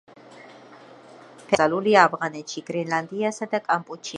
ფეხბურთი ოფიციალურად აკრძალულია ავღანეთში, გრენლანდიასა და კამპუჩიაში.